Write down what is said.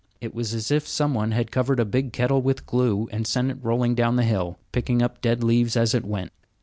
It was as if some one had covered a big kettle with glue and sent it rolling down the hill, picking up dead leaves as it went.